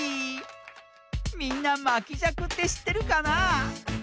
みんなまきじゃくってしってるかな？